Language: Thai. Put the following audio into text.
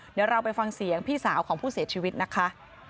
เดี๋ยวเราไปฟังเสียงพี่สาวของผู้เสียชีวิตนะคะ